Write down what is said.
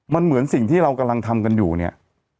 มันเหมือนสิ่งที่เรากำลังทำกันอยู่เนี่ย